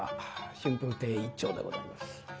春風亭一朝でございます。